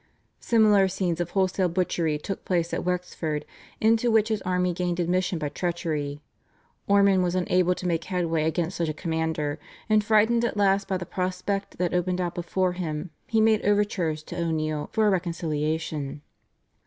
Similar scenes of wholesale butchery took place at Wexford, into which his army gained admission by treachery. Ormond was unable to make headway against such a commander, and frightened at last by the prospect that opened out before him, he made overtures to O'Neill for a reconciliation.